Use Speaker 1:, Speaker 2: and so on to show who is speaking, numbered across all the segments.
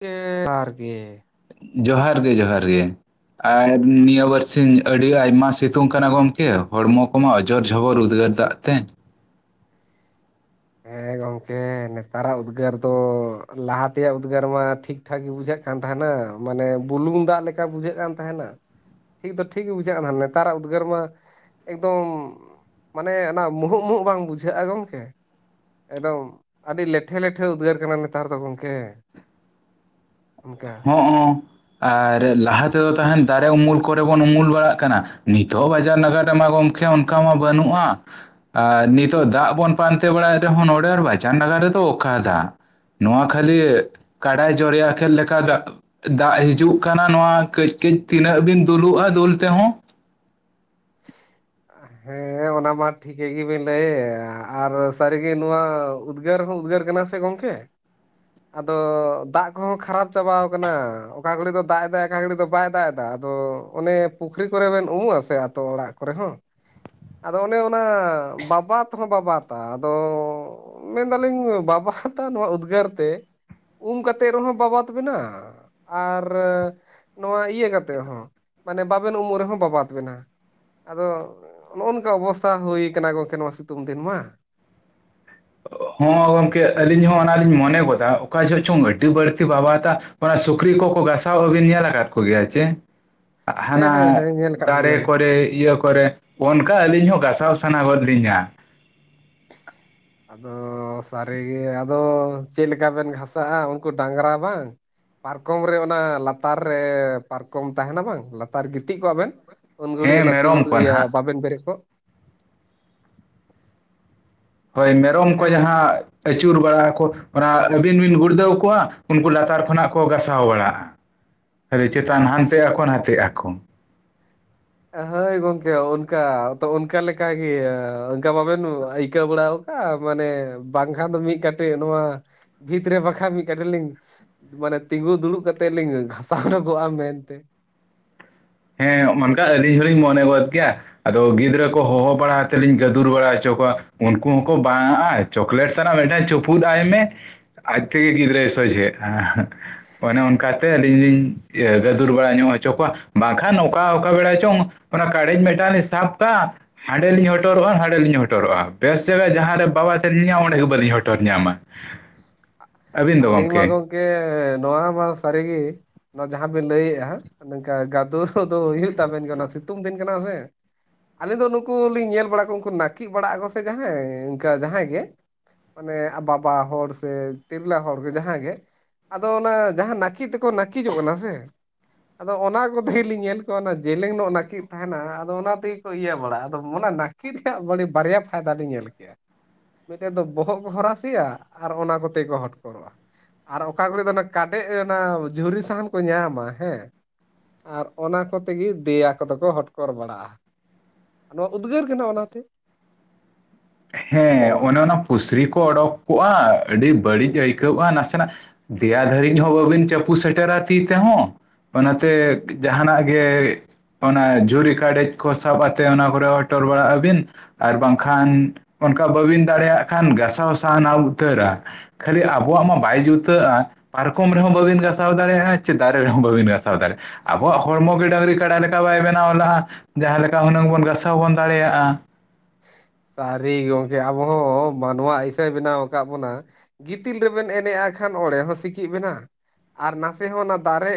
Speaker 1: ᱜᱮ ᱡᱚᱦᱟᱨ ᱜᱮ
Speaker 2: ᱡᱚᱦᱟᱨ ᱜᱮ ᱡᱚᱦᱟᱨ ᱜᱮ ᱟᱨ ᱱᱤᱭᱟᱹ ᱵᱟᱨ ᱥᱤᱧ ᱟᱹᱰᱤ ᱟᱭᱢᱟ ᱥᱤᱛᱩᱝ ᱠᱟᱱᱟ ᱜᱚᱢᱠᱮ ᱦᱚᱲᱢᱚ ᱠᱚᱢᱟ ᱚᱡᱚᱨ ᱡᱷᱚᱵᱚᱨ ᱩᱫᱽᱜᱟᱹᱨ ᱫᱟᱜ ᱛᱮ
Speaker 1: ᱦᱮᱸ ᱜᱚᱢᱠᱮ ᱱᱮᱛᱟᱨᱟᱜ ᱩᱫᱽᱜᱟᱹᱨ ᱫᱚ ᱞᱟᱦᱟ ᱛᱮᱭᱟᱜ ᱩᱫᱽᱜᱟᱹᱨ ᱢᱟ ᱴᱷᱤᱠ ᱴᱷᱟᱠ ᱵᱩᱡᱷᱟᱹᱜ ᱠᱟᱱ ᱛᱟᱦᱮᱱᱟ ᱢᱟᱱᱮ ᱵᱩᱞᱩᱝ ᱫᱟᱜ ᱞᱮᱠᱟ ᱵᱩᱡᱷᱟᱹᱜ ᱠᱟᱱ ᱛᱟᱦᱮᱱᱟ ᱴᱷᱤᱠ ᱫᱚ ᱴᱷᱤᱠ ᱵᱩᱡᱷᱟᱹᱜ-ᱟ ᱱᱟᱜ ᱱᱮᱛᱟᱨᱟᱜ ᱩᱫᱽᱜᱟᱹᱨ ᱢᱟ ᱮᱠᱫᱚᱢ ᱢᱟᱱᱮ ᱚᱱᱟ ᱢᱩᱦᱩᱜ ᱢᱩᱦᱩᱜ ᱵᱟᱝ ᱵᱩᱡᱷᱟᱹᱜᱼᱟ ᱜᱚᱝᱠᱮ ᱮᱠᱫᱚᱢ ᱟᱹᱰᱤ ᱞᱮᱴᱷᱮ ᱞᱮᱴᱷᱮ ᱩᱫᱽᱜᱟᱹᱨ ᱠᱟᱱᱟ ᱱᱮᱛᱟᱨ ᱫᱚ ᱜᱚᱝᱠᱮ ᱚᱱᱠᱟ
Speaker 2: ᱦᱚᱜ-ᱚᱸ ᱟᱨ ᱞᱟᱦᱟ ᱛᱮᱫᱚ ᱛᱟᱦᱮᱱ ᱫᱟᱨᱮ ᱩᱢᱩᱞ ᱠᱚᱨᱮ ᱵᱚᱱ ᱩᱢᱩᱞ ᱵᱟᱲᱟᱜ ᱠᱟᱱᱟ ᱱᱤᱛᱚᱜ ᱵᱟᱡᱟᱨ ᱱᱟᱜᱟᱨ ᱨᱮᱢᱟ ᱜᱚᱢᱠᱮ ᱚᱱ ᱚᱱᱠᱟ ᱢᱟ ᱵᱟᱹᱱᱩᱜᱼᱟ ᱟᱨ ᱱᱤᱛᱚᱜ ᱫᱟᱜ ᱵᱚᱱ ᱯᱟᱱᱛᱮ ᱵᱟᱲᱟᱭᱮᱫ ᱨᱮᱦᱚᱸ ᱱᱚᱸᱰᱮ ᱵᱟᱪᱟᱱ ᱱᱟᱜᱟᱨ ᱨᱮᱫᱚ ᱚᱠᱟ ᱫᱟᱜ ᱱᱚᱣᱟ ᱠᱷᱟᱹᱞᱤ ᱠᱟᱰᱟᱭ ᱡᱚᱨᱮᱭᱟ ᱠᱮᱫ ᱞᱮᱠ ᱠᱟ ᱫᱟᱜ ᱫᱟᱜ ᱦᱤᱡᱩᱜ ᱠᱟᱱᱟ ᱱᱚᱣᱟ ᱠᱟᱹᱡ ᱠᱟᱹᱡ ᱛᱤᱱᱟᱹᱜ ᱵᱤᱱ ᱫᱩᱞᱩᱜᱼᱟ ᱫᱩᱞ ᱛᱮᱦᱚᱸ
Speaker 1: ᱦᱮᱸ ᱚᱱᱟ ᱢᱟ ᱴᱷᱤᱠᱟᱹ ᱜᱮᱵᱤᱱ ᱞᱟᱹᱭᱮᱫ ᱟᱨ ᱥᱟᱹᱨᱤᱜᱮ ᱱᱚᱣᱟ ᱩᱫᱽᱜᱟᱹᱨ ᱦᱚᱸ ᱩᱫᱽᱜᱟᱹᱨ ᱠᱟᱱᱟ ᱥᱮ ᱜᱚᱝᱠᱮ ᱟᱫᱚ ᱫᱟᱜ ᱠᱚᱦᱚᱸ ᱠᱷᱟᱨᱟᱯ ᱪᱟᱵᱟᱣ ᱠᱟᱱᱟ ᱚᱠᱟ ᱜᱷᱚᱲᱤ ᱫᱚ ᱫᱟᱜ ᱮᱫᱟᱭ ᱚᱠᱟ ᱜᱷᱟᱹᱲᱤ ᱫᱚ ᱵᱟᱭ ᱫᱟᱜ ᱮᱫᱟ ᱟᱫᱚ ᱚᱱᱮ ᱯᱩᱠᱷᱨᱤ ᱠᱚᱨᱮ ᱵᱮᱱ ᱩᱢᱩᱜ ᱟᱥᱮ ᱟᱛᱳ ᱚᱲᱟᱜ ᱠᱚᱨᱮ ᱦᱚᱸ ᱟᱫᱚ ᱚᱱᱮ ᱚᱱᱟ ᱵᱟᱵᱟᱛ ᱦᱚᱸ ᱵᱟᱵᱟᱛᱟ ᱟᱫᱚ ᱢᱮᱱᱫᱟᱞᱤᱧ ᱵᱟᱵᱟᱛᱟ ᱱᱚᱣᱟ ᱩᱫᱽᱜᱟᱹᱨ ᱛᱮ ᱩᱢ ᱠᱟᱛᱮᱫ ᱨᱮᱦᱚᱸ ᱵᱟᱵᱟᱫ ᱵᱤᱱᱟ ᱟᱨ ᱱᱚᱣᱟ ᱤᱭᱟᱹ ᱠᱟᱛᱮ ᱦᱚᱸ ᱢᱟᱱᱮ ᱵᱟᱵᱮᱱ ᱩᱢᱩᱜ ᱨᱮᱦᱚᱸ ᱵᱟᱵᱟᱫ ᱵᱤᱱᱟ ᱟᱫᱚ ᱱᱚᱜᱼᱚ ᱱᱚᱝᱠᱟ ᱚᱵᱚᱥᱛᱟ ᱦᱩᱭᱠᱟᱱᱟ ᱜᱚᱝᱠᱮ ᱱᱚᱣᱟ ᱥᱤᱛᱩᱝ ᱫᱤᱱ ᱢᱟ
Speaker 2: ᱦᱚᱸ ᱜᱚᱝᱠᱮ ᱟᱹᱞᱤᱧ ᱦᱚᱸ ᱚᱱᱟᱞᱤᱧ ᱢᱚᱱᱮ ᱜᱚᱫᱟ ᱚᱠᱟ ᱡᱚᱦᱚᱜ ᱪᱚᱝ ᱟᱹᱰᱤ ᱵᱟᱹᱲᱛᱤ ᱵᱟᱵᱟᱛᱟ ᱚᱱᱟ ᱥᱩᱠᱨᱤ ᱠᱚᱠᱚ ᱜᱟᱥᱟᱣ ᱟᱹᱵᱤᱱ ᱧᱮᱞ ᱟᱠᱟᱫ ᱠᱚᱜᱮᱭᱟ ᱪᱮ
Speaker 1: ᱦᱮᱸ ᱦᱮᱸ
Speaker 2: ᱦᱟᱱᱟ
Speaker 1: ᱦᱮᱸ ᱧᱮᱞ ᱠᱟᱜ
Speaker 2: ᱫᱟᱨᱮ
Speaker 1: ᱠᱚᱜᱮᱭᱟᱞᱤᱧ
Speaker 2: ᱠᱚᱨᱮ ᱤᱭᱟᱹ ᱠᱚ ᱠᱚᱨᱮ ᱚᱱᱠᱟ ᱟᱹᱞᱤᱧ ᱦᱚᱸ ᱜᱟᱥᱟᱣ ᱥᱟᱱᱟ ᱜᱚᱫ ᱞᱤᱧᱟ᱾
Speaker 1: ᱟᱫᱚ ᱥᱟᱹᱨᱤᱜᱮ ᱟᱫᱚ ᱪᱮᱫ ᱞᱮᱠᱟ ᱵᱮᱱ ᱜᱷᱟᱥᱟᱜᱼᱟ ᱩᱱᱠᱩ ᱰᱟᱝᱨᱟ ᱵᱟᱝᱼᱼ ᱯᱟᱨᱠᱚᱢ ᱨᱮ ᱚᱱᱟ ᱞᱟᱛᱟᱨ ᱨᱮ ᱯᱟᱨᱠᱚᱢ ᱛᱟᱦᱮᱱᱟ ᱵᱟᱝ ᱞᱟᱛᱟᱨ ᱜᱤᱛᱤᱡ ᱠᱚᱜᱼᱟ ᱵᱮᱱᱼᱼ ᱩᱱ ᱜᱷᱟᱹᱲᱤᱡ
Speaker 2: ᱦᱮᱸ
Speaker 1: ᱚᱱᱟ ᱥᱤᱢ
Speaker 2: ᱢᱮᱨᱚᱢ ᱠᱚ
Speaker 1: ᱤᱭᱟᱹ
Speaker 2: ᱱᱟᱦᱟᱜ
Speaker 1: ᱵᱟᱵᱮᱱ ᱵᱮᱨᱮᱫ ᱠᱚᱜᱼᱼ
Speaker 2: ᱦᱳᱭ ᱢᱮᱨᱚᱢ ᱠᱚ
Speaker 1: ᱦᱮᱸ ᱜᱚᱝᱠᱮ
Speaker 2: ᱡᱟᱦᱟᱸ ᱟᱹᱪᱩᱨ ᱵᱟᱲᱟᱜ ᱟᱠᱚ, ᱚᱱᱟ ᱟᱹᱵᱤᱱ ᱵᱤᱱ ᱜᱩᱲᱫᱟᱹᱣ ᱠᱚᱣᱟ ᱩᱱᱠᱩ ᱞᱟᱛᱟᱨ ᱠᱷᱚᱱᱟᱜ ᱠᱚ ᱜᱟᱥᱟᱣ ᱵᱟᱲᱟᱜᱼᱟ᱾ ᱟᱫᱚ ᱪᱮᱛᱟᱱ ᱦᱟᱱᱛᱮ ᱟᱠᱚ ᱱᱟᱛᱮᱜ ᱟᱠᱚ
Speaker 1: ᱦᱳᱭ ᱜᱚᱝᱠᱮ ᱚᱱᱠᱟ ᱛᱚ ᱚᱱᱠᱟ ᱞᱮᱠᱟᱜᱮ ᱚᱱᱠᱟ ᱵᱟᱵᱮᱱ ᱟᱹᱭᱠᱟᱹᱣ ᱵᱟᱲᱟ ᱢᱟᱱᱮ ᱵᱟᱝᱠᱷᱟᱱ ᱫᱚ ᱢᱤᱫ ᱠᱟᱴᱮᱡ ᱱᱚᱣᱟ ᱵᱷᱤᱛ ᱨᱮ ᱵᱟᱠᱷᱟᱡ ᱢᱤᱫ ᱠᱟᱴᱤᱡ ᱞᱤᱧ ᱢᱟᱱᱮ ᱛᱤᱸᱜᱩ ᱫᱩᱲᱩᱵ ᱠᱟᱛᱮᱜ ᱞᱤᱧ ᱜᱷᱟᱥᱟᱣ ᱧᱚᱜᱚᱜᱼᱟ ᱢᱮᱱᱛᱮᱼᱼ
Speaker 2: ᱦᱮᱸ ᱚᱱᱠᱟ ᱟᱹᱞᱤᱧ ᱦᱚᱞᱤᱧ ᱢᱚᱱᱮ ᱜᱚᱫ ᱜᱮᱭᱟ᱾ ᱟᱫᱚ ᱜᱤᱫᱽᱨᱟᱹ ᱠᱚ ᱦᱚᱦᱚ ᱵᱟᱲᱟ ᱟᱛᱮᱫ ᱞᱤᱧ ᱜᱟᱹᱫᱩᱨ ᱵᱟᱲᱟ ᱦᱚᱪᱚ ᱠᱚᱣᱟ ᱩᱱᱠᱩ ᱦᱚᱸᱠᱚ ᱵᱟᱝ ᱟᱜ-ᱟ᱾ ᱪᱚᱠᱞᱮᱴ ᱥᱟᱱᱟᱜ ᱢᱮᱫᱴᱮᱫ ᱪᱩᱯᱩᱫ ᱟᱭ ᱢᱮ ᱟᱡᱮ ᱜᱤᱫᱽᱨᱟᱹᱭ ᱥᱚᱡᱷᱮᱜ-ᱟ᱾ ᱚᱱᱮ ᱚᱱᱠᱟᱛᱮ ᱟᱹᱞᱤᱧ ᱤᱭᱟᱹ ᱞᱤᱧ ᱜᱟᱹᱫᱩᱨ ᱵᱟᱲᱟ ᱧᱚᱜ ᱦᱚᱪᱚ ᱠᱚᱣᱟ᱾ ᱵᱟᱝᱠᱷᱟᱱ ᱱᱚᱠᱟ ᱚᱠᱟ ᱵᱮᱲᱟ ᱪᱚᱝ ᱚᱱᱟ ᱠᱟᱲᱮᱡ ᱢᱮᱴᱟᱱ ᱞᱤᱧ ᱥᱟᱵ ᱠᱟᱜ ᱦᱟᱸᱰᱮ ᱞᱤᱧ ᱦᱚᱴᱚᱨᱚᱜᱼᱟ ᱱᱟᱸᱰᱮ ᱞᱤᱧ ᱦᱚᱴᱚᱨᱚᱜᱼᱟ ᱵᱮᱥ ᱪᱮᱨᱦᱟ ᱡᱟᱦᱟᱸ ᱨᱮ ᱵᱟᱵᱟᱫ ᱮᱫ ᱞᱤᱧᱟ ᱚᱸᱰᱮ ᱜᱮ ᱵᱟᱹᱞᱤᱧ ᱦᱚᱴᱚᱨ ᱧᱟᱢᱟ᱾ ᱟᱹᱵᱤᱱ ᱫᱚ
Speaker 1: ᱟᱹᱞᱤᱧ ᱢᱟ
Speaker 2: ᱜᱚᱢᱠᱮ
Speaker 1: ᱜᱚᱝ ᱠᱮ ᱱᱚᱣᱟ ᱢᱟ ᱥᱟᱹᱨᱤᱜᱮ ᱱᱚᱣᱟ ᱡᱟᱦᱟᱸ ᱵᱤᱱ ᱞᱟᱹᱭᱮᱫᱼᱟ ᱱᱮᱝᱠᱟ ᱜᱟᱫᱩᱨᱼᱼ ᱠᱚᱫᱚ ᱦᱩᱭᱩᱜ ᱛᱟᱵᱮᱱ ᱜᱮ ᱚᱱᱟ ᱥᱤᱛᱩᱝ ᱫᱤᱱ ᱠᱟᱱᱟ ᱥᱮ᱾ ᱟᱹᱞᱤᱧ ᱫᱚ ᱱᱩᱠᱩ ᱞᱤᱧ ᱧᱮᱞ ᱵᱟᱲᱟ ᱠᱚ ᱩᱱᱠᱩ ᱱᱟᱹᱠᱤᱡ ᱵᱟᱲᱟᱜ ᱟᱠᱚ ᱥᱮ ᱡᱟᱦᱟᱸᱭ ᱤᱱᱠᱟ ᱡᱟᱦᱟᱸᱭ ᱜᱮ ᱢᱟᱱᱮ ᱟ ᱵᱟᱵᱟ ᱦᱚᱲᱼᱼ ᱥᱮ ᱛᱤᱨᱞᱟᱹ ᱦᱚᱲ ᱜᱮ ᱡᱟᱦᱟᱸᱭ ᱜᱮ ᱟᱫᱚ ᱚᱱᱟ ᱡᱟᱦᱟᱸ ᱱᱟᱹᱠᱤ ᱛᱮᱠᱚ ᱱᱟᱹᱠᱤᱡᱚᱜ ᱠᱟᱱᱟ ᱥᱮᱼᱼ ᱟᱫᱚ ᱚᱱᱟ ᱠᱚᱛᱮ ᱞᱤᱧ ᱧᱮᱞ ᱠᱚᱣᱟ ᱚᱱᱟ ᱡᱮᱞᱮᱝ ᱧᱚᱜ ᱱᱟᱹᱠᱤᱡ ᱛᱟᱦᱮᱱᱟ ᱟᱫᱚ ᱚᱱᱟ ᱛᱮᱜᱮ ᱠᱚ ᱤᱭᱟᱹ ᱵᱟᱲᱟᱜᱼᱟ ᱟᱫᱚ ᱚᱱᱟ ᱱᱟᱹᱠ- ᱱᱟᱠᱤᱡᱽ ᱨᱮᱭᱟᱜᱮ ᱵᱟᱨᱭᱟ ᱯᱷᱟᱭᱫᱟ ᱞᱤᱧ ᱧᱮᱞ ᱠᱮᱜᱼᱟ ᱢᱤᱫᱴᱮᱡ ᱫᱚ ᱵᱚᱦᱚᱜ ᱠᱚ ᱦᱚᱨᱟᱥᱮᱭᱟᱼᱼ ᱟᱨ ᱚᱱᱟ ᱠᱚᱛᱮ ᱠᱚ ᱦᱚᱴᱠᱚᱨᱚᱜᱼᱟ᱾ ᱟᱨ ᱚᱠᱟ ᱠᱚᱨᱮ ᱫᱚ ᱚᱱᱟ ᱠᱟᱰᱮᱡ ᱚᱱᱟ ᱡᱷᱩᱨᱤ ᱥᱟᱦᱟᱱ ᱠᱚ ᱧᱟᱢᱟ ᱦᱮᱸ ᱟᱨ ᱚᱱᱟ ᱠᱚᱛᱮ ᱜᱮ ᱫᱮᱭᱟ ᱠᱚᱫᱚ ᱠᱚ ᱦᱚᱴᱠᱚᱨ ᱵᱟᱲᱟᱜᱼᱟ᱾ ᱱᱚᱣᱟ ᱩᱫᱽᱜᱟᱹᱨ ᱠᱟᱱᱟ ᱚᱱᱟᱛᱮ ᱟᱫᱚ
Speaker 2: ᱦᱮᱸ ᱚᱱᱮ ᱚᱱᱟ ᱯᱩᱥᱨᱤ ᱠᱚ ᱚᱰᱳᱚᱠ ᱠᱚᱜᱼᱟ ᱟᱹᱰᱤ ᱵᱟᱹᱲᱤᱡ ᱟᱹᱭᱠᱟᱹᱣᱼᱟ ᱱᱟᱥᱮᱱᱟᱜᱼᱼ ᱫᱮᱭᱟ ᱫᱷᱟᱹᱨᱤᱡ ᱦᱚᱸ ᱵᱟᱹᱵᱤᱱ ᱪᱟᱯᱩ ᱥᱮᱴᱮᱨᱟ ᱛᱤ ᱛᱮᱦᱚᱸᱼᱼ ᱚᱱᱟᱛᱮ ᱡᱟᱦᱟᱱᱟᱜ ᱜᱮᱼᱼ ᱚᱱᱟ ᱡᱷᱩᱨᱤ ᱠᱟᱰᱮᱡ ᱠᱚ ᱥᱟᱵ ᱟᱛᱮᱫ ᱚᱱᱟ ᱠᱚᱨᱮ ᱦᱚᱴᱚᱨ ᱵᱟᱲᱟᱜ ᱟᱹᱵᱤᱱ ᱟᱨ ᱵᱟᱝᱠᱷᱟᱱ ᱚᱱᱠᱟ ᱵᱟᱹᱵᱤᱱ ᱫᱟᱲᱮᱭᱟᱜ ᱠᱷᱟᱱ ᱜᱷᱟᱟᱥᱟᱣ ᱥᱟᱦᱟᱱᱟ ᱟᱢ ᱩᱛᱟᱹᱨᱟ ᱠᱷᱟᱹᱞᱤ ᱟᱵᱚᱣᱟᱜ ᱢᱟ ᱵᱟᱭ ᱡᱩᱛᱟᱹᱜᱼᱟᱼᱼ ᱯᱟᱨᱠᱚᱢ ᱨᱮᱦᱚᱸ ᱵᱟᱹᱵᱤᱱ ᱜᱟᱥᱟᱣ ᱫᱟᱲᱮᱭᱟᱜᱼᱟ ᱪᱮ ᱫᱟᱨᱮ ᱨᱮᱦᱚᱸ ᱵᱟᱹᱵᱤᱱ ᱜᱟᱥᱟᱣ ᱫᱟᱲᱮᱭᱟᱜᱼᱟ᱾ ᱟᱵᱚᱣᱟᱜ ᱦᱚᱲᱢᱚ ᱜᱮ ᱰᱟᱹᱝᱨᱤ ᱠᱟᱰᱟ ᱞᱮᱠᱟ ᱵᱟᱭ ᱵᱮᱱᱟᱣ ᱞᱟᱜᱼᱟ ᱡᱟᱦᱟᱸ ᱞᱮᱠᱟ ᱦᱩᱱᱟᱹᱝ ᱵᱚᱱ ᱜᱟᱥᱟᱣ ᱵᱚᱱ ᱫᱟᱲᱮᱭᱟᱜᱼᱟ,
Speaker 1: ᱥᱟᱹᱨᱤ ᱜᱚᱢᱠᱮ ᱟᱵᱚ ᱦᱚᱸ ᱢᱟᱱᱣᱟ ᱤᱥᱟᱹᱭ ᱵᱮᱱᱟᱣ ᱟᱠᱟᱫ ᱵᱚᱱᱟ ᱜᱤᱛᱤᱞ ᱨᱮᱵᱮᱱ ᱮᱱᱮᱡᱼᱟ ᱠᱷᱟᱱ ᱚᱸᱮ ᱦᱚᱸ ᱥᱤᱸᱠᱤᱡ ᱵᱮᱱᱟ ᱟᱨ ᱱᱟᱥᱮ ᱦᱚᱸ ᱚᱱᱟ ᱫᱟᱨᱮ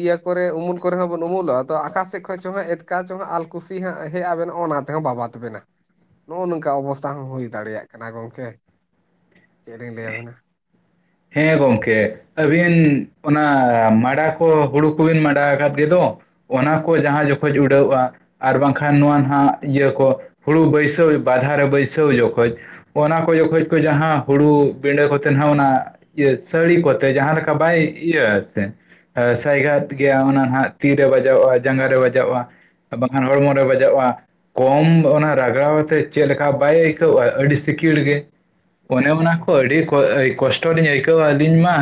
Speaker 1: ᱤᱭᱟᱹ ᱠᱚᱨᱮ ᱩᱢᱩᱞ ᱠᱚᱨᱮ ᱦᱚᱸ ᱵᱮᱱ ᱩᱢᱩᱞᱚᱜᱼᱟ ᱛᱚ ᱟᱠᱟᱥ ᱥᱮᱫ ᱠᱷᱚᱱ ᱪ ᱦᱚᱸ ᱮᱛᱠᱮᱴ ᱟᱠᱟ ᱪᱚᱝ ᱟᱞ ᱠᱩᱥᱤ ᱦᱟᱸᱜ ᱦᱮᱡ ᱟᱵᱮᱱ ᱚᱱᱟ ᱛᱮᱦᱚᱸ ᱵᱟᱵᱟᱛ ᱵᱮᱱᱟ᱾ ᱱᱚᱜᱼᱚ ᱱᱚᱝᱠᱟ ᱚᱵᱚᱥᱛᱟ ᱦᱚᱸ ᱦᱩᱭ ᱫᱟᱲᱮᱭᱟᱜ ᱠᱟᱱᱟ ᱜᱚᱝᱠᱮ ᱪᱮᱫ ᱞᱤᱧ ᱞᱟᱹᱭᱟᱵᱮᱱᱟ,
Speaker 2: ᱦᱮᱸ ᱜᱚᱢᱠᱮ ᱟᱹᱵᱤᱱ ᱚᱱᱟ ᱢᱟᱰᱟ ᱠᱚ ᱦᱩᱲᱩ ᱠᱚᱵᱤᱱ ᱢᱟᱰᱟ ᱟᱠᱟᱫ ᱜᱮᱫᱚᱼᱼ ᱚᱱᱟ ᱠᱚ ᱡᱟᱦᱟᱸ ᱡᱚᱠᱷᱚᱡ ᱩᱰᱟᱹᱣᱼᱟ ᱟᱨ ᱵᱟᱝᱠᱷᱟᱱ ᱱᱚᱣᱟ ᱱᱟᱦᱜ ᱤᱭᱟᱹ ᱠᱚ ᱦᱩᱲᱩ ᱵᱟᱹᱭᱥᱟᱹᱣ ᱵᱟᱫᱷᱟ ᱨᱮ ᱵᱟᱹᱭᱥᱟᱹᱣ ᱡᱚᱠᱷᱚᱡ ᱚᱱᱟ ᱠᱚ ᱡᱚᱠᱷᱚᱡ ᱠᱚ ᱡᱟᱦᱟᱸ ᱦᱩᱲᱩ ᱵᱤᱸᱰᱟᱹ ᱠᱚᱛᱮ ᱱᱟᱦᱟᱜ ᱚᱱᱟ ᱤᱭᱟᱹ ᱥᱟᱹᱲᱤ ᱠᱚᱛᱮ ᱡᱟᱦᱟᱸ ᱞᱮᱠᱟ ᱵᱟᱭ ᱤᱭᱟᱹ ᱟ ᱥᱮᱼᱼ ᱥᱟᱭᱜᱟᱛ ᱜᱮᱭᱟ ᱚᱱᱟ ᱱᱟᱜ ᱛᱤᱨᱮ ᱵᱟᱡᱟᱣᱚᱜᱼᱟ ᱡᱟᱸᱜᱟ ᱨᱮ ᱵᱟᱡᱟᱣᱟᱜᱼᱟ, ᱵᱟᱠᱷᱟᱱ ᱦᱚᱲᱢᱚ ᱨᱮ ᱵᱟᱡᱟᱜᱼᱟ ᱠᱚᱢ ᱚᱱᱟ ᱨᱟᱜᱟᱣ ᱛᱮ ᱪᱮᱫ ᱞᱮᱠᱟ ᱵᱟᱭ ᱟᱹᱭᱠᱟᱹᱣᱼᱟ ᱟᱹᱰᱤ ᱥᱤᱠᱤᱲ ᱜᱮ, ᱚᱱᱮ ᱚᱱᱟ ᱠᱚ ᱟᱹᱰᱤ ᱠᱚᱥᱴᱚ ᱞᱤᱧ ᱟᱹᱭᱠᱟᱹᱣᱟ ᱟᱹᱞᱤᱧ ᱢᱟ᱾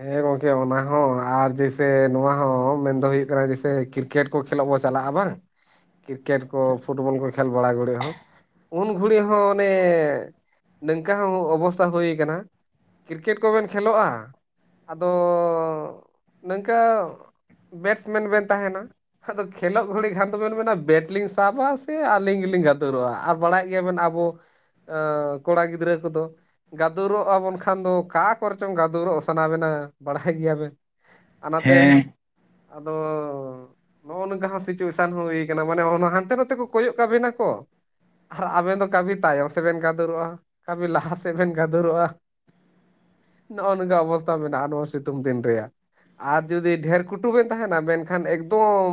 Speaker 1: ᱦᱮᱸ ᱜᱚᱝᱠᱮ ᱚᱱᱟ ᱦᱚᱸ ᱟᱨ ᱡᱮᱭᱥᱮ ᱱᱚᱣᱟ ᱦᱚᱸ ᱢᱮᱱ ᱫᱚ ᱦᱩᱭᱩᱜ ᱠᱟᱱᱟ ᱡᱮᱭᱥᱮ ᱠᱤᱨ ᱠᱮᱴ ᱠᱚ ᱠᱷᱮᱞᱳᱜ ᱵᱚ ᱪᱟᱞᱟᱜᱼᱟ ᱵᱟᱝ᱾ ᱠᱤᱨᱠᱮᱴ ᱠᱚ, ᱯᱷᱩᱴᱵᱚᱞ ᱠᱚ ᱠᱷᱮᱞ ᱵᱟᱲᱟ ᱜᱚᱲᱤ ᱦᱚᱸ᱾ ᱩᱱ ᱜᱷᱩᱲᱤ ᱦᱚᱸ ᱚᱱᱮ ᱱᱚᱝᱠᱟ ᱦᱚᱸ ᱚᱵᱚᱥᱛᱛᱟ ᱦᱩᱭ ᱟᱠᱟᱱᱟ, ᱠᱤᱨᱠᱮᱴ ᱠᱚᱵᱮᱱ ᱠᱷᱮᱞᱳᱜᱼᱟ? ᱟᱫᱚ ᱱᱤᱝᱠᱟᱹ ᱵᱮᱴᱥ ᱢᱮᱱ ᱵᱮᱱ ᱛᱟᱦᱮᱱᱟ᱾ ᱟᱫᱚ ᱠᱷᱮᱞᱳᱜ ᱜᱷᱩᱲᱤ ᱠᱷᱟᱱ ᱫᱚᱵᱮᱱ ᱢᱮᱱᱟ ᱵᱮᱴ ᱞᱤᱧ ᱥᱟᱵᱟ ᱥᱮ ᱟᱹᱞᱤᱧ ᱜᱮᱞᱤᱧ ᱜᱟᱫᱩᱨᱚᱜᱼᱟ ᱟᱨ ᱵᱟᱲᱟᱭᱮᱜ ᱜᱮᱭᱟ ᱵᱮᱱ ᱟᱵᱚ ᱮᱸᱻ ᱠᱚᱲᱟ ᱜᱤᱫᱽᱨᱟᱹ ᱠᱚᱫᱚ ᱜᱟᱫᱩᱨᱚᱜ ᱟᱵᱚᱱ ᱠᱷᱟᱱ ᱫᱚ ᱚᱠᱟ ᱠᱚᱨᱮᱪᱚᱢ ᱜᱟᱫᱩᱨᱚᱜ ᱥᱟᱱᱟ ᱵᱮᱱᱟ ᱵᱟᱲᱟᱭ ᱜᱮᱭᱟ ᱵᱮᱱ, ᱚᱱᱟᱛᱮ
Speaker 2: ᱦᱮᱸ
Speaker 1: ᱟᱫᱚ ᱱᱚᱜᱼᱚ ᱱᱚᱝᱠᱟ ᱦᱚᱸ ᱥᱤᱪᱩᱭᱮᱥᱚᱱ ᱦᱚᱸ ᱦᱩᱭ ᱠᱟᱱᱟ ᱢᱟᱱᱮ ᱦᱟᱱᱛᱮ ᱱᱟᱛᱮ ᱠᱚ ᱠᱚᱭᱚᱜ ᱠᱟᱵᱤᱱᱟ ᱠᱚ ᱟᱨ ᱟᱵᱮᱱ ᱫᱚ ᱠᱟᱹᱵᱷᱤ ᱛᱟᱭᱚᱢ ᱥᱮᱫ ᱵᱮᱱ ᱜᱟᱫᱩᱨᱚᱜᱼᱟ, ᱠᱟᱹᱵᱷᱤ ᱞᱟᱦᱟ ᱥᱮᱫ ᱵᱮᱱ ᱜᱟᱫᱩᱨᱚᱜᱼᱟ᱾ ᱱᱚᱜᱼᱚ ᱱᱚᱝᱠᱟ ᱚᱵᱚᱥᱛᱛᱟ ᱢᱮᱱᱟᱜᱼᱟ ᱱᱚᱣᱟ ᱥᱤᱛᱩᱝ ᱫᱤᱱ ᱨᱮᱭᱟᱜ, ᱟᱨ ᱡᱩᱫᱤ ᱰᱷᱮᱨ ᱠᱩᱴᱩ ᱵᱮᱱ ᱛᱟᱦᱮᱸᱱᱟ ᱢᱮᱱᱠᱷᱟᱱ ᱮᱠᱫᱚᱢ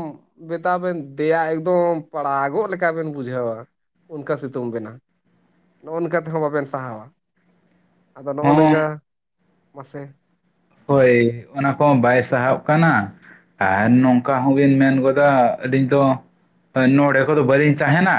Speaker 1: ᱢᱮᱛᱟ ᱵᱮᱱ ᱫᱮᱭᱟ ᱮᱠᱫᱚᱢ ᱯᱟᱲᱟᱜᱚᱜ ᱞᱮᱠᱟ ᱵᱮᱱ ᱵᱩᱡᱷᱟᱹᱣᱟ᱾ ᱚᱱᱠᱟ ᱥᱤᱛᱩᱝ ᱵᱮᱱᱟ, ᱱᱚᱜᱼᱚ ᱱᱚᱝᱠᱟ ᱛᱮᱦᱚᱸ ᱵᱟᱵᱮᱱ ᱥᱟᱦᱟᱣᱟ᱾ ᱟᱫᱚ ᱱᱚᱜᱼᱚ
Speaker 2: ᱦᱚᱸ
Speaker 1: ᱱᱤᱝᱠᱟ, ᱢᱟᱥᱮ᱾
Speaker 2: ᱦᱳᱭ, ᱚᱱᱟ ᱠᱚᱦᱚᱸ ᱵᱟᱭ ᱥᱟᱦᱚᱜ ᱠᱟᱱᱟ᱾ ᱟᱨ ᱱᱚᱝᱠᱟ ᱦᱚᱸ ᱵᱤᱱ ᱢᱮᱱ ᱜᱚᱫᱟ ᱟᱹᱞᱤᱧ ᱫᱚ ᱠᱷᱟᱱ ᱱᱚᱰᱮ ᱠᱚ ᱫᱚ ᱵᱟᱞᱤᱧ ᱛᱟᱦᱮᱱᱟ᱾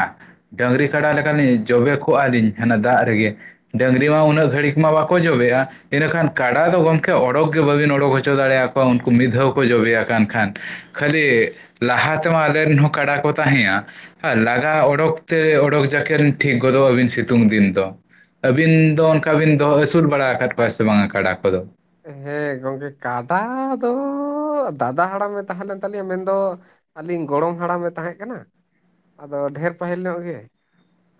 Speaker 2: ᱰᱟᱹᱝᱨᱤ ᱠᱟᱰᱟ ᱞᱮᱠᱟᱞᱤᱧ ᱡᱚᱵᱮ ᱠᱚᱜᱼᱟᱞᱤᱧ ᱦᱟᱱᱟ ᱫᱟᱜ ᱨᱮᱜᱮ᱾ ᱰᱟᱹᱝᱨᱤ ᱢᱟ ᱩᱱᱟᱹᱜ ᱜᱷᱟᱹᱲᱤᱠ ᱢᱟ ᱵᱟᱠᱚ ᱡᱚᱵᱮᱜᱼᱟ, ᱤᱱᱟᱹ ᱠᱷᱟᱱ ᱠᱟᱰᱟ ᱫᱚ ᱜᱚᱝ ᱠᱮ ᱚᱰᱳᱚᱠ ᱜᱮ ᱵᱟᱹᱵᱤᱱ ᱚᱰᱚᱠ ᱦᱚᱪᱚ ᱫᱟᱲᱮᱭᱟ ᱠᱚᱣᱟ ᱩᱱᱠᱩ ᱢᱤᱫ ᱫᱷᱟᱣ ᱠᱚ ᱡᱚᱵᱮᱭᱟ ᱠᱟᱱ ᱠᱷᱟᱱ, ᱠᱷᱟᱹᱞᱤ ᱞᱟᱦᱟ ᱛᱮᱢᱟ ᱟᱞᱮ ᱨᱮᱱ ᱦᱚᱸ ᱠᱟᱰᱟ ᱠᱚ ᱛᱟᱦᱮᱸᱭᱟ, ᱟᱨ ᱞᱟᱜᱟ ᱚᱰᱳᱠ ᱛᱮ ᱚᱰᱚᱠ ᱡᱟᱠᱮᱱ ᱴᱷᱤᱠ ᱜᱚᱫᱚᱜ ᱟᱹᱵᱤᱱ ᱥᱤᱛᱩᱝ ᱫᱤᱱ ᱫᱚ᱾ ᱟᱹᱵᱤᱱ ᱫᱚ ᱚᱱᱠᱟ ᱵᱤᱱ ᱫᱚᱦᱚ ᱟᱹᱥᱩᱞ ᱵᱟᱲᱟ ᱟᱠᱟᱫ ᱠᱚᱣᱟ ᱥᱮ ᱵᱟᱝᱟ ᱠᱟᱰᱟ ᱠᱚᱫᱚ?
Speaker 1: ᱦᱮᱸ ᱜᱚᱝᱠᱮ ᱠᱟᱰᱟ ᱫᱚ ᱫᱟᱫᱟ ᱦᱟᱲᱟᱢᱮ ᱛᱟᱦᱮᱸ ᱞᱮᱱ ᱛᱟᱞᱤᱧᱟ ᱢᱮᱱᱫᱚ ᱟᱹᱞᱤᱧ ᱜᱚᱲᱚᱢ ᱦᱟᱲᱟᱢᱮ ᱛᱟᱦᱮᱸᱜ ᱠᱟᱱᱟ, ᱟᱫᱚ ᱰᱷᱮᱨ ᱯᱟᱹᱦᱤᱞ ᱧᱚᱜ ᱜᱮ,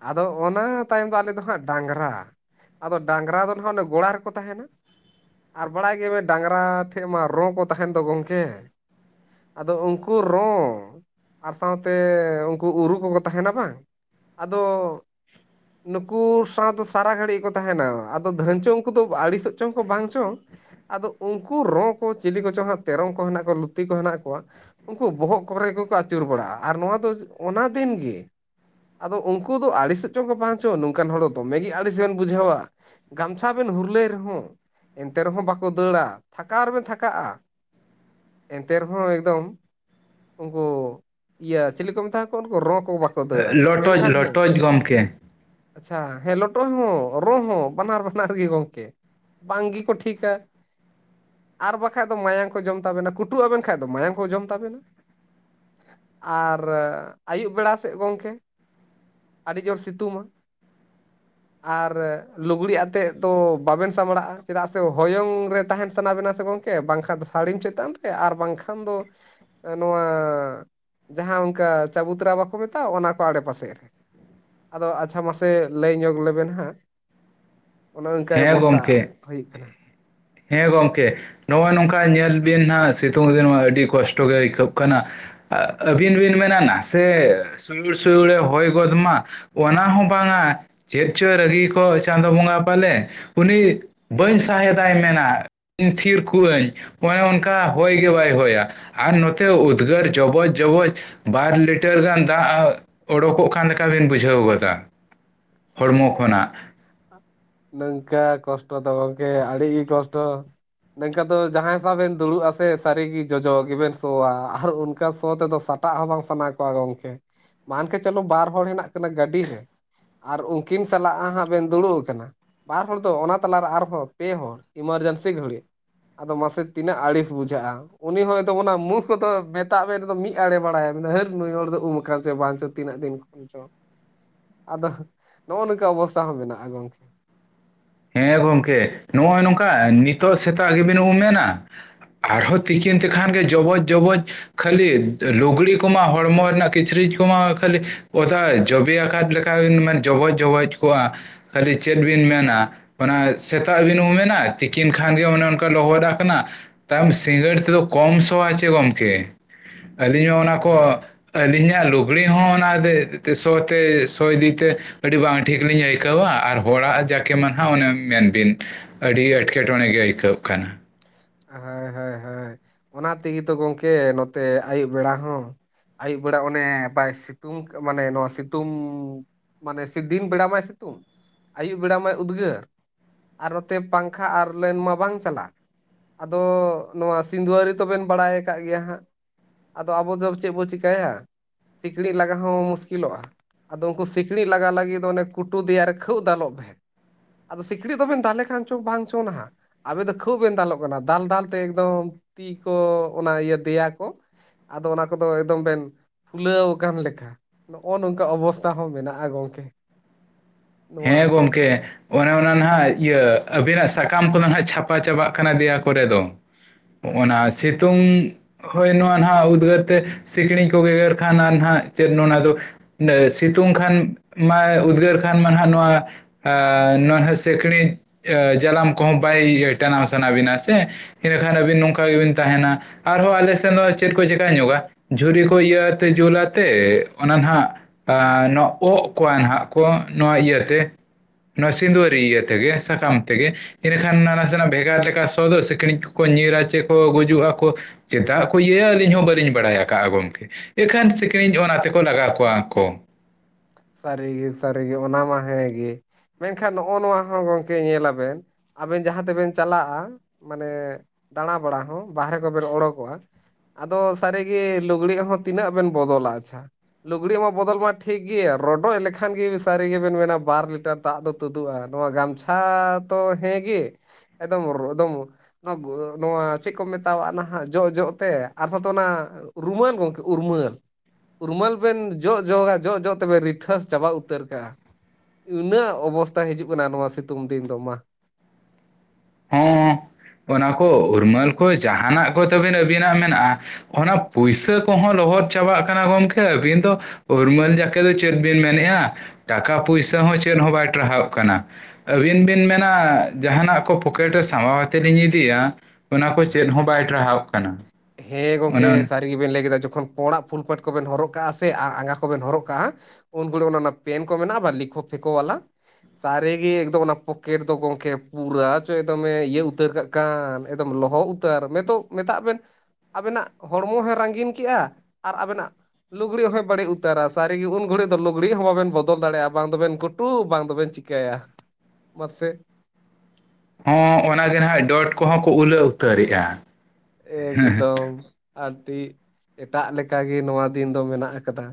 Speaker 1: ᱟᱫᱚ ᱚᱱᱟ ᱛᱟᱭᱚᱢ ᱫᱚ ᱟᱞᱮ ᱫᱚ ᱦᱟᱸᱜ ᱰᱟᱝᱨᱟ᱾ ᱟᱫᱚ ᱰᱟᱝᱨᱟ ᱫᱚ ᱱᱟᱦᱟᱜ ᱚᱱᱮ ᱜᱚᱲᱟ ᱨᱮᱠᱚ ᱛᱟᱦᱮᱱᱟ᱾ ᱟᱨ ᱵᱟᱲᱟᱭ ᱜᱮᱭᱟ ᱵᱮᱱ ᱰᱟᱝᱨᱟ ᱴᱷᱮᱡ ᱢᱟ ᱨᱚ ᱠᱚ ᱛᱟᱦᱮᱸᱱ ᱫᱚ ᱜᱚᱝᱠᱮ, ᱟᱫᱚ ᱩᱱᱠᱩ ᱨᱚ ᱟᱨ ᱥᱟᱶᱛᱮ ᱩᱱᱠᱩ ᱩᱨᱩ ᱠᱚᱠᱚ ᱛᱟᱦᱮᱸᱱᱟ ᱵᱟᱝ ᱟᱫᱚ ᱱᱩᱠᱩ ᱥᱟᱶ ᱫᱚ ᱥᱟᱨᱟ ᱜᱷᱟᱹᱲᱤᱡ ᱠᱚ ᱛᱟᱦᱮᱸᱱᱟ ᱟᱫᱚ ᱫᱷᱟᱹᱱᱪᱚ ᱩᱱᱠᱩ ᱫᱚ ᱟᱹᱲᱤᱥᱚᱜ ᱪᱚᱝ ᱠᱚ ᱵᱟᱝ ᱪᱚᱝ, ᱟᱫᱚ ᱩᱱᱠᱩ ᱨᱚ ᱠᱚ ᱪᱤᱞᱤ ᱠᱚᱪᱚᱝ ᱦᱟᱸᱜ ᱛᱮᱨᱚᱝ ᱠᱚ ᱦᱮᱱᱟᱜ ᱠ, ᱞᱩᱛᱤ ᱠᱚ ᱦᱮᱱᱟᱜ ᱠᱚᱣᱟ, ᱩᱱᱠᱩ ᱵᱚᱦᱚᱜ ᱠᱚᱨᱮ ᱜᱮᱠᱚ ᱟᱹᱪᱩᱨ ᱵᱟᱲᱟᱜᱼᱟ ᱟᱨ ᱱᱚᱣᱟ ᱫᱚ ᱚᱱᱟ ᱫᱤᱱ ᱜᱮ, ᱟᱫᱚ ᱩᱱᱠᱩ ᱫᱚ ᱟᱹᱲᱤᱥᱚᱜ ᱪᱚᱜ ᱠᱚ ᱵᱟᱝᱪᱚ ᱱᱚᱝᱠᱟᱱ ᱦᱚᱲ ᱫᱚ ᱫᱚᱢᱮ ᱜᱮ ᱟᱹᱲᱤᱥ ᱵᱮᱱ ᱵᱩᱡᱷᱟᱹᱣᱟ᱾ ᱜᱟᱢᱪᱷᱟ ᱵᱮᱱ ᱦᱩᱨᱞᱟᱹᱭ ᱨᱮᱦᱚᱸ ᱮᱱᱛᱮ ᱨᱮᱦᱚᱸ ᱵᱟᱠᱚ ᱫᱟᱹᱲᱟ, ᱛᱷᱟᱠᱟᱣ ᱨᱮᱵᱮᱱ ᱛᱷᱟᱠᱟᱜᱼᱟ᱾ ᱮᱱᱛᱮ ᱨᱮᱦᱚᱸ ᱮᱠᱫᱚᱢ ᱩᱱᱠᱩ ᱤᱭᱟᱹ ᱪᱤᱞᱤ ᱠᱚ ᱢᱮᱛᱟ ᱠᱚᱣᱟ ᱩᱱᱠᱩ ᱨᱚ ᱠᱚ ᱵᱟᱠᱚ ᱫᱟᱹᱲᱟ
Speaker 2: ᱞᱚᱴᱚᱡ
Speaker 1: ᱢᱮᱱᱠᱷᱟᱱ ᱦᱮᱸ
Speaker 2: ᱞᱚᱴᱚᱡ ᱜᱚᱢᱠᱮ
Speaker 1: ᱟᱪᱷᱟ ᱦᱮᱸ ᱞᱚᱴᱚᱡ ᱦᱚᱸ, ᱨᱚ ᱦᱚᱸ ᱵᱟᱱᱟᱨ ᱵᱟᱱᱟᱨ ᱜᱮ ᱜᱚᱝᱠᱮ᱾ ᱵᱟᱝ ᱜᱤ ᱠᱚ ᱴᱷᱤᱠᱟ᱾ ᱟᱨ ᱵᱟᱠᱷᱟᱡ ᱫᱚ ᱢᱟᱭᱟᱝ ᱠᱚ ᱡᱚᱢ ᱛᱟᱵᱮᱱᱟ, ᱠᱩᱴᱩ ᱟᱵᱮᱱ ᱠᱷᱟᱡ ᱫᱚ ᱢᱟᱭᱟᱢ ᱠᱚ ᱡᱚᱢ ᱛᱟᱵᱮᱱᱟ᱾ ᱟᱨ ᱟᱹᱭᱩᱵ ᱵᱮᱲᱟ ᱥᱮᱫ ᱜᱚᱝᱠᱮ ᱟᱹᱰᱤ ᱡᱳᱨ ᱥᱤᱛᱩᱢᱟ, ᱟᱨ ᱞᱩᱜᱽᱲᱤᱜ ᱟᱛᱮᱫ ᱫᱚ ᱵᱟᱵᱮᱱ ᱥᱟᱢᱲᱟᱜᱼᱟ᱾ ᱪᱮᱫᱟᱜ ᱥᱮ ᱦᱚᱭᱚᱝ ᱨᱮ ᱛᱟᱦᱮᱱ ᱥᱟᱱᱟ ᱵᱮᱱᱟ ᱥᱮ ᱜᱚᱝᱠᱮ ᱵᱟᱝᱠᱷᱟᱱ ᱫᱚ ᱥᱟᱹᱲᱤᱢ ᱪᱮᱛᱟᱱ ᱨᱮ ᱟᱨ ᱵᱟᱝᱠᱷᱟᱱ ᱫᱚ ᱱᱚᱣᱟ ᱡᱟᱦᱟᱸ ᱚᱱᱠᱟ ᱪᱟᱵᱩ ᱛᱟᱨᱟ ᱵᱟᱠᱚ ᱢᱮᱛᱟᱜᱼᱟ ᱚᱱᱟ ᱠᱚ ᱟᱲᱮ ᱯᱟᱥᱮ ᱨᱮ᱾ ᱟᱫᱚ ᱟᱪᱷᱟ ᱢᱟᱥᱮ ᱞᱟᱹᱭ ᱧᱚᱜᱽ ᱞᱮᱵᱮᱱ ᱦᱟᱸᱜ? ᱚᱱᱮ ᱚᱱᱠᱟ
Speaker 2: ᱦᱮᱸ
Speaker 1: ᱚᱵᱚᱥᱛᱟ
Speaker 2: ᱜᱚᱢᱠᱮ
Speaker 1: ᱦᱩᱭᱩᱜ ᱠᱟᱱᱟ᱾
Speaker 2: ᱦᱮᱸ ᱜᱚᱢᱠᱮ ᱱᱚᱜᱼᱚᱭ ᱱᱚᱝᱠᱟ ᱧᱮᱞ ᱵᱤᱱ ᱦᱟᱜ ᱥᱤᱛᱩᱝ ᱫᱤᱱᱢᱟ ᱟᱹᱰᱤ ᱠᱚᱥᱴᱚ ᱜᱮ ᱟᱹᱭᱠᱟᱹᱜ ᱠᱟᱱᱟ᱾ ᱟᱹᱵᱤᱱ ᱵᱤᱱ ᱢᱮᱱᱟ ᱱᱟᱥᱮ ᱥᱩᱭᱩᱲ ᱥᱩᱭᱩᱲᱮ ᱦᱚᱭ ᱜᱚᱫ ᱢᱟ ᱚᱱᱟ ᱦᱚᱸ ᱵᱟᱝᱟ ᱪᱮᱫ ᱪᱚᱭ ᱨᱟᱹᱜᱤ ᱟᱠᱚ ᱪᱟᱸᱫᱳ ᱵᱚᱸᱜᱟ? ᱯᱟᱞᱮ ᱩᱱᱤ ᱵᱟᱹᱧ ᱥᱟᱦᱮᱫᱟᱭ ᱢᱮᱱᱟ ᱛᱷᱤᱨ ᱠᱚᱣᱟᱹᱧ, ᱚᱱᱮ ᱚᱱᱠᱟ ᱦᱚᱭ ᱜᱮ ᱵᱟᱭ ᱦᱚᱳᱭᱟ ᱟᱨ ᱱᱚᱛᱮ ᱩᱫᱽᱜᱟᱹᱨ ᱡᱚᱵᱚᱡ ᱡᱚᱵᱚᱡ ᱵᱟᱨ ᱞᱤᱴᱟᱨ ᱜᱟᱱ ᱫᱟᱜ ᱚᱰᱳᱠᱚᱜ ᱠᱟᱱ ᱞᱮᱠᱟ ᱵᱤᱱ ᱵᱩᱡᱷᱟᱹᱣ ᱜᱚᱫᱟ᱾ ᱦᱚᱲᱢᱚ
Speaker 1: ᱟ
Speaker 2: ᱠᱷᱚᱱᱟᱜ
Speaker 1: ᱱᱚᱝᱠᱟ ᱠᱚᱥᱴᱚ ᱫᱚ ᱜᱚᱢᱠᱮ ᱟᱹᱰᱤᱜᱮ ᱠᱚᱥᱴᱚ᱾ ᱱᱤᱝᱠᱟ ᱫᱚ ᱡᱟᱦᱟᱸᱭ ᱥᱟᱶ ᱵᱮᱱ ᱫᱩᱲᱩᱵ ᱟᱥᱮ ᱥᱟᱹᱨᱤᱜᱮ ᱡᱚᱡᱚ ᱜᱮᱵᱮᱱ ᱥᱚᱣᱟ ᱟᱨ ᱚᱱᱠᱟ ᱥᱚ ᱛᱮᱫᱚ ᱥᱟ ᱦᱟᱴᱟᱜ ᱦᱚᱸ ᱵᱟᱝ ᱥᱟᱱᱟ ᱠᱚᱣᱟ ᱜᱚᱝᱠᱮ ᱢᱟᱱ ᱠᱷᱮᱡ ᱪᱚᱞᱚ ᱵᱟᱨ ᱦᱚᱲ ᱦᱮᱱᱟᱜ ᱠᱤᱱᱟ ᱜᱟᱹᱰᱤ ᱨᱮᱼᱼ ᱟᱨ ᱩᱱᱠᱤᱱ ᱥᱟᱞᱟᱜ ᱦᱟᱸᱜ ᱵᱮᱱ ᱫᱩᱲᱩᱵ ᱟᱠᱟᱱᱟ ᱵᱟᱨ ᱦᱚᱲ ᱫᱚ ᱚᱱᱟ ᱛᱟᱞᱟᱨᱮ ᱟᱨᱦᱚᱸ ᱯᱮ ᱦᱚᱲ ᱮᱢᱟᱨᱡᱮᱱᱥᱤ ᱜᱷᱟᱹᱲᱤᱡ ᱟᱫᱚ ᱢᱟᱥᱮ ᱛᱤᱱᱟᱹᱜ ᱟᱹᱲᱤᱥ ᱵᱩᱡᱷᱟᱹᱜᱼᱟ, ᱩᱱᱤ ᱦᱚᱭ ᱛᱚ ᱚᱱᱟ ᱢᱩ ᱠᱚᱫᱚ ᱢᱮᱛᱟᱜ ᱢᱮᱱ ᱢᱤᱫ ᱟᱲᱮ ᱵᱟᱲᱟᱭ ᱢᱮᱱ ᱦᱟᱹᱨ ᱱᱩᱭ ᱦᱚᱲ ᱫᱚ ᱩᱢ ᱟᱠᱟᱱ ᱪᱚ ᱵᱟᱝ ᱪᱚ ᱛᱤᱱᱟᱹᱜ ᱫᱤᱱ ᱪᱚᱝ ᱟᱫᱚ ᱱᱚᱜᱼᱚ ᱱᱚᱝᱠᱟ ᱚᱵᱚᱥᱛᱟ ᱦᱚᱸ ᱢᱮᱱᱟᱜᱼᱟ ᱜᱚᱝᱠᱮ᱾
Speaker 2: ᱦᱮᱸ ᱜᱚᱝᱠᱮ ᱱᱚᱜᱼᱚᱭ ᱱᱚᱝᱠᱟ ᱱᱤᱛᱚᱜ ᱥᱮᱛᱟᱜ ᱜᱮᱵᱤᱱ ᱩᱢ ᱢᱮᱱᱟ ᱟᱨᱦᱚᱸ ᱛᱤᱠᱤᱱ ᱛᱮᱠᱷᱟᱱ ᱜᱮ ᱡᱚᱵᱚᱡ ᱡᱚᱵᱚᱡ ᱠᱷᱟᱹᱞᱤ ᱞᱩᱜᱽᱲᱤ ᱠᱚᱢᱟ ᱦᱚᱲᱢᱚ ᱨᱮᱱᱟᱜ ᱠᱤᱪᱨᱤᱡ ᱠᱚᱢᱟ ᱠᱷᱟᱹᱞᱤ ᱚᱛᱷᱟ ᱡᱚᱵᱤ ᱟᱠᱟᱠᱟᱫ ᱞᱮᱠᱟ, ᱪ ᱵᱤᱱ ᱡᱚᱵᱚᱡ ᱡᱚᱵᱚᱡ ᱠᱚᱜᱼᱟ ᱠᱷᱞᱤ ᱪᱮᱫ ᱵᱤᱱ ᱢᱮᱱᱟ ᱚᱱᱟ ᱥᱮᱛᱟᱜ ᱵᱮᱱ ᱦᱚᱸ ᱢᱮᱱᱟ ᱛᱤᱠᱤᱱ ᱠᱷᱟᱱ ᱜᱮ ᱚᱱᱮ ᱚᱱᱠᱟ ᱞᱚᱦᱚᱫ ᱱᱟ ᱠᱟᱱᱟ ᱾ ᱛᱟᱭᱚᱢ ᱥᱤᱸᱜᱟᱹᱲ ᱛᱮᱫᱚ ᱠᱚᱢ ᱥᱚᱣᱟ ᱪᱮ ᱜᱚᱢᱠᱮ ᱟᱹᱞᱤᱧ ᱦᱚᱸ ᱚᱱᱟ ᱠᱚ
Speaker 1: ᱦᱳᱭ
Speaker 2: ᱟᱹᱞᱤᱧᱟᱜ ᱞᱩᱜᱽᱲᱤ ᱦᱚᱸ ᱚᱱᱟ ᱥᱚ ᱛᱮ ᱥᱚ ᱤᱫᱤᱛᱮ ᱟᱹᱰᱤ ᱵᱟᱝ ᱴᱷᱤᱠ ᱜᱮᱞᱤᱧ ᱟᱹᱭᱠᱟᱹᱣᱟ ᱟᱨ ᱦᱚᱲᱟᱜ ᱡᱟᱠᱮ ᱢᱟ ᱦᱟᱸᱜ ᱚᱱᱮ ᱢᱮᱱᱵᱤᱱ ᱟᱹᱰᱤ ᱮᱴᱠᱮᱴᱚᱬᱮ ᱜᱮ ᱟᱹᱭᱠᱟᱹᱜ ᱠᱟᱱᱟ ᱾
Speaker 1: ᱦᱳᱭ ᱦᱳᱭ ᱦᱳᱭ ᱾ ᱚᱱᱟ ᱛᱮᱜᱮ ᱛᱚ ᱜᱚᱢᱠᱮ ᱱᱚᱛᱮ ᱟᱹᱭᱩᱵ ᱵᱮᱲᱟ ᱦᱚᱸ ᱟᱹᱭᱩᱵ ᱵᱮᱲᱟ ᱚᱱᱮ ᱵᱟᱭ ᱥᱤᱛᱩᱝ ᱢᱟᱱᱮ ᱱᱚᱣᱟ ᱥᱤᱛᱩᱝ ᱢᱟᱱᱮ ᱥᱮ ᱫᱤᱱ ᱵᱮᱲ ᱢᱟᱭ ᱥᱤᱛᱩᱝ ᱟᱹᱭᱩᱵ ᱵᱮᱲ ᱢᱟᱭ ᱩᱫᱽᱜᱟᱹᱨ, ᱟᱨ ᱱᱚᱛᱮ ᱯᱟᱝᱠᱷᱟ ᱟᱨ ᱞᱟᱹᱭᱤᱱ ᱢᱟ ᱵᱟᱝ ᱪᱟᱞᱟᱜ ᱾ ᱟᱫᱚ ᱱᱚᱣᱟ ᱥᱤᱸᱫᱽᱣᱟᱹᱨᱤ ᱛᱚᱵᱮᱱ ᱵᱟᱲᱟᱭ ᱟᱠᱟᱫ ᱜᱮᱭᱟ ᱦᱟᱸᱜ ᱟᱫᱚ ᱟᱵᱚ ᱫᱚ ᱪᱮᱫ ᱵᱚ ᱪᱤᱠᱟᱹᱭᱟ ᱥᱤᱠᱬᱤᱡ ᱞᱟᱜᱟ ᱦᱚᱸ ᱢᱩᱥᱠᱤᱞᱚᱜᱼᱟ, ᱟᱫᱚ ᱩᱱᱠᱩ ᱥᱤᱠᱬᱤᱡ ᱞᱟᱜᱟ ᱞᱟᱹᱜᱤᱫ ᱫᱚ ᱚᱱᱮ ᱠᱩᱴᱩ ᱫᱮᱭᱟ ᱨᱮ ᱠᱷᱟᱹᱣᱜ ᱫᱟᱞᱚᱵ ᱟᱫᱚ ᱥᱤᱠᱲᱤᱡ ᱫᱚᱵᱮᱱ ᱫᱟᱞᱮ ᱠᱷᱟᱱ ᱪᱚᱝ ᱵᱟᱝ ᱪᱚᱝ ᱱᱟ ᱟᱵᱮᱱ ᱫᱚ ᱠᱷᱩᱵᱽ ᱵᱮᱱ ᱫᱟᱞᱚᱜ ᱠᱟᱱᱟ, ᱫᱟᱞ ᱫᱟᱞ ᱛᱮ ᱮᱠᱫᱚᱢ ᱛᱤ ᱠᱚ ᱚᱱᱟ ᱤᱭᱟᱹ ᱫᱮᱭᱟ ᱠᱚ ᱟᱫᱚ ᱚᱱᱟ ᱠᱚᱫᱚ ᱮᱠᱫᱚᱢ ᱵᱮᱱ ᱯᱷᱩᱞᱟᱹᱣ ᱟᱠᱟᱱ ᱞᱮᱠᱟ, ᱱᱚᱜᱼᱚ ᱱᱚᱝᱠᱟ ᱚᱵᱚᱥᱛᱷᱟ ᱦᱚᱸ ᱢᱮᱱᱟᱜᱼᱟ ᱜᱚᱝᱠᱮ, ᱱᱚᱣᱟ
Speaker 2: ᱦᱮᱸ ᱜᱚᱢᱠᱮ, ᱚᱱᱮ ᱚᱱᱟ ᱱᱟᱦᱟᱜ ᱤᱭᱟᱹ ᱟᱹᱵᱤᱱᱟᱜ ᱥᱟᱠᱟᱢ ᱠᱚᱫᱚ ᱦᱟᱸᱜ ᱪᱷᱟᱯᱟ ᱪᱟᱵᱟᱜ ᱠᱟᱱᱟ ᱫᱮᱭᱟ ᱠᱚᱨᱮ ᱫᱚ ᱾ ᱚᱱᱟ ᱥᱤᱛᱩᱝ, ᱦᱳᱭ ᱱᱚᱣᱟ ᱱᱟᱦᱟᱜ ᱩᱫᱽᱜᱟᱹᱨ ᱛᱮ ᱥᱤᱠᱲᱤᱡ ᱠᱚ ᱜᱮᱜᱮᱨ ᱠᱷᱟᱱ ᱟᱨ ᱱᱟᱦᱟᱜ ᱪᱮᱫ ᱱᱚᱣᱟ ᱫᱚ ᱥᱤᱛᱩᱝ ᱠᱷᱟᱱ ᱢᱟ ᱩᱫᱽᱜᱟᱹᱨ ᱠᱷᱟᱱ ᱢᱟ ᱱᱚᱣᱟ ᱱᱚᱣᱟ ᱦᱚᱸ ᱥᱤᱠᱲᱤᱡ ᱡᱟᱞᱟᱢ ᱠᱚᱦᱚᱸ ᱵᱟᱭ ᱴᱟᱱᱟᱣ ᱥᱟᱱᱟ ᱵᱤᱱᱟ ᱥᱮ ᱤᱱᱟᱹ ᱠᱷᱟᱱ ᱟᱹᱵᱤᱱ ᱱᱚᱝᱠᱟ ᱜᱮᱵᱤᱱ ᱛᱟᱦᱮᱱᱟ, ᱟᱨ ᱦᱚᱸ ᱟᱞᱮ ᱥᱮᱱ ᱫᱚ ᱪᱮᱫ ᱠᱚ ᱪᱤᱠᱟ ᱧᱚᱜᱟ ᱡᱷᱩᱨᱤ ᱠᱚ ᱤᱭᱟᱹ ᱟᱛᱮ ᱡᱩᱞᱟ ᱛᱮ ᱚᱱᱟ ᱦᱷᱱᱟᱜ ᱚᱜ ᱠᱚᱣᱟ ᱱᱟᱦᱟᱜ ᱠᱚ ᱱᱚᱣᱟ ᱤᱭᱟᱹ ᱛᱮ, ᱱᱚᱣᱟ ᱥᱤᱸᱫᱽᱣᱟᱹᱨᱤ ᱤᱭᱟᱹ ᱛᱮᱜᱮ ᱥᱟᱠᱟᱢ ᱛᱮᱜᱮ, ᱤᱱᱟᱹᱠᱷᱟᱱ ᱱᱟ ᱥᱮᱱᱟᱜ ᱵᱷᱮᱜᱟᱨ ᱞᱮᱠᱟ ᱥᱚ ᱫᱚ ᱥᱤᱠᱲᱤᱡ ᱠᱚᱠᱚ ᱧᱤᱨᱟ ᱪᱮ ᱠᱚ ᱜᱩᱡᱩᱜ ᱟᱠᱚ ᱪᱮᱫᱟᱜ ᱠᱚ ᱤᱭᱟᱹᱭᱟ ᱟᱹᱞᱤᱧ ᱦᱚᱸ ᱵᱟᱹᱞᱤᱧ ᱵᱟᱲᱟᱭ ᱟᱠᱟᱫᱼᱟ ᱜᱚᱢᱠᱮ ᱾ ᱮᱱᱠᱷᱟᱱ ᱥᱤᱸᱠᱷᱲᱤᱧ ᱚᱱᱟ ᱛᱮᱠᱚ ᱞᱟᱜᱟ ᱠᱚᱣᱟ ᱠᱚ,
Speaker 1: ᱥᱟᱹᱨᱤ ᱜᱮ ᱥᱟᱹᱨᱤ ᱜᱮ ᱚᱱᱟ ᱢᱟ ᱦᱮᱸ ᱜᱮ ᱢᱮᱱᱠᱷᱟᱱ ᱱᱚᱜᱼᱚ ᱱᱚᱣᱟ ᱦᱚᱸ ᱜᱚᱢᱠᱮ ᱧᱮᱞᱟᱵᱮᱱ, ᱟᱵᱮᱱ ᱡᱟᱦᱟᱸ ᱛᱮᱵᱮᱱ ᱪᱟᱞᱟᱜᱼᱟ ᱢᱟᱱᱮ ᱫᱟᱬᱟ ᱵᱟᱲᱟ ᱦᱚᱸ ᱵᱟᱦᱨᱮ ᱠᱚᱵᱮᱱ ᱚᱰᱳᱠᱚᱜᱼᱟ, ᱟᱫᱚ ᱥᱟᱹᱨᱤᱜᱮ ᱞᱩᱜᱽᱲᱤᱡ ᱦᱚᱸ ᱛᱤᱱᱟᱹᱜ ᱵᱮᱱ ᱵᱚᱫᱚᱞᱟ ᱟᱪᱪᱷᱟ, ᱞᱩᱜᱽᱲᱤ ᱢᱟ ᱵᱚᱫᱚᱞ ᱢᱟ ᱴᱷᱤᱠ ᱜᱮᱭᱟ ᱨᱚᱰᱚᱡ ᱞᱮᱠᱷᱟᱱ ᱜᱮ ᱥᱟᱹᱨᱤ ᱜᱮᱵᱮᱱ ᱢᱮᱱᱟ ᱵᱟᱨ ᱞᱤᱴᱟᱨ ᱫᱟᱜ ᱫᱚ ᱛᱩᱫᱩᱜᱼᱟ, ᱱᱚᱣᱟ ᱜᱟᱢᱪᱷᱟ ᱛᱚ ᱦᱮᱸ ᱜᱮ ᱮᱫᱚᱢ ᱨᱚᱦᱫᱚᱢ, ᱱᱚᱣᱟ ᱱᱚᱣᱟ ᱪᱮᱫ ᱠᱚ ᱢᱮᱛᱟᱣᱟᱜ ᱱᱟᱦᱟᱜ ᱡᱚᱜ ᱡᱚᱜ ᱛᱮ ᱟᱨ ᱛᱚ ᱚᱱᱟ, ᱩᱨᱢᱟᱞ ᱜᱚᱢᱠᱮ ᱩᱨᱢᱞ, ᱩᱨᱢᱟᱞ ᱵᱮᱱ ᱡᱚᱜ ᱡᱚᱜᱟ ᱡᱚᱜ ᱡᱚᱜ ᱛᱮᱵᱮᱱ ᱨᱤᱴ [unintelligible] ᱪᱟᱵᱟ ᱩᱛᱟᱹᱨ ᱠᱟᱜᱼᱟ, ᱩᱱᱟᱹᱜ ᱚᱵᱚᱥᱛᱷᱟ ᱦᱤᱡᱩᱜ ᱠᱟᱱᱟ ᱱᱚᱣᱟ ᱥᱤᱛᱩᱝ ᱫᱤᱱ ᱫᱚ ᱢᱟ ᱾
Speaker 2: ᱦᱚᱸ ᱚᱱᱟ ᱠᱚ ᱩᱨᱢᱟᱹᱞ ᱠᱚ ᱡᱟᱦᱟᱸᱱᱟᱜ ᱠᱚ ᱛᱟᱹᱵᱤᱱ ᱟᱹᱵᱤᱱᱟᱜ ᱢᱮᱱᱟᱜᱼᱟ, ᱚᱱᱟ ᱯᱩᱭᱥᱟᱹ ᱠᱚᱦᱚᱸ ᱞᱚᱦᱚᱫ ᱪᱟᱵᱟᱜ ᱠᱟᱱᱟ ᱜᱚᱢᱠᱮ, ᱟᱹᱵᱤᱱ ᱫᱚ ᱩᱨᱢᱟᱹᱞ ᱡᱟᱠᱮ ᱫᱚ ᱪᱮᱫ ᱵᱤᱱ ᱢᱮᱱᱮᱜᱼᱟ ᱴᱟᱠᱟ ᱯᱩᱭᱥᱟᱹ ᱦᱚᱸ ᱪᱮᱫ ᱦᱚᱸ ᱵᱟᱭ ᱴᱟᱨᱟᱦᱯ ᱠᱟᱱᱟ, ᱟᱹᱵᱤᱱ ᱵᱤᱱ ᱢᱮᱱᱟ ᱡᱟᱦᱟᱸᱱᱟᱜ ᱠᱚ ᱯᱚᱠᱮᱴ ᱨᱮ ᱥᱟᱢᱵᱟᱣᱛᱮᱫ ᱞᱤᱧ ᱤᱫᱤᱭᱟ, ᱚᱱᱟ ᱠᱚ ᱪᱮᱫ ᱦᱚᱸ ᱵᱟᱭ ᱴᱟᱨᱦᱟᱜ
Speaker 1: ᱦᱮᱸ ᱜᱚᱝᱠᱮ ᱥᱟᱨᱤ ᱜᱮ ᱵᱮᱱ ᱞᱟᱹᱭ ᱠᱮᱫᱟ ᱡᱚᱠᱷᱚᱱ ᱯᱚᱸᱲᱟᱜ ᱯᱷᱩᱞ ᱯᱮᱱᱴ ᱠᱚᱵᱮᱱ ᱦᱚᱨᱚᱜ ᱠᱟᱜᱼᱟ ᱥᱮ ᱟᱨ ᱟᱸᱜᱟ ᱠᱚᱵᱮᱱ ᱦᱚᱨᱚᱜ ᱠᱟᱜᱼᱟ, ᱩᱱ ᱜᱷᱟᱲᱤ ᱚᱱᱟ ᱯᱮᱱ ᱠᱚ ᱢᱮᱱᱟᱜᱼᱟ, ᱵᱟ ᱞᱮᱠᱷᱳ ᱯᱷᱮᱠᱳᱣᱟᱞᱟ ᱥᱟᱨᱤ ᱜᱮ ᱮᱠᱫᱚᱢ ᱚᱱᱟ ᱯᱚᱠᱮᱴ ᱫᱚ ᱜᱚᱢᱠᱮ ᱯᱩᱨᱟᱹ ᱪᱚ ᱮᱠᱫᱚᱢᱮ ᱤᱭᱟᱹ ᱩᱛᱟᱹᱨ ᱠᱟᱜ ᱠᱟᱱ ᱮᱠᱫᱚᱢ ᱞᱚᱦᱚᱫ ᱩᱛᱟᱹᱨ ᱱᱤᱛᱚᱜ ᱢᱮᱛᱟᱜ ᱵᱮᱱ ᱟᱵᱮᱱᱟᱜ ᱦᱚᱲᱢᱚ ᱦᱚᱸ ᱨᱟᱜᱤᱱ ᱠᱮᱜᱼᱟ ᱟᱨ ᱟᱵᱮᱱᱟᱜ ᱞᱩᱜᱽᱲᱤᱡ ᱦᱚᱸᱭ ᱵᱟᱹᱲᱤᱡ ᱩᱛᱟᱹᱨᱟ ᱥᱟᱹᱨᱤ ᱜᱮ, ᱩᱱ ᱜᱷᱚᱲᱤᱡ ᱫᱚ ᱞᱩᱜᱽᱲᱤᱡ ᱦᱚᱸ ᱵᱟᱵᱮᱱ ᱵᱚᱫᱚᱞ ᱫᱟᱲᱮᱭᱟᱜᱼᱟ, ᱵᱟᱝ ᱫᱚᱵᱮᱱ ᱠᱩᱴᱩᱝ ᱵᱟᱝ ᱫᱚᱵᱮᱱ ᱪᱤᱠᱟᱹ ᱠᱮᱭᱟ ᱢᱟᱥᱮ᱾
Speaker 2: ᱦᱚᱸ ᱚᱱᱟ ᱡᱟᱦᱟ ᱰᱚᱴ ᱠᱚᱦᱚᱸ ᱠᱚ ᱩᱞᱟᱹ ᱩᱛᱟᱹᱨᱮᱜ-ᱟ᱾
Speaker 1: ᱮᱠᱫᱚᱢ ᱟᱹᱰᱤ ᱮᱴᱟᱜ ᱞᱮᱠᱟᱜᱮ ᱱᱚᱣᱟ ᱫᱤᱱ ᱫᱚ ᱢᱮᱱᱟᱜ ᱟᱠᱟᱫᱟ᱾